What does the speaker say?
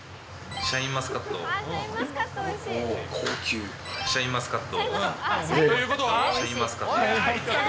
シャインマスカット、シャインマスカット。